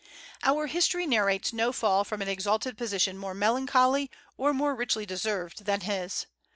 Our history narrates no fall from an exalted position more melancholy, or more richly deserved, than his.